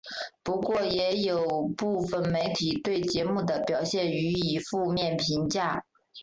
不过也有部分媒体对节目的表现予以负面评价。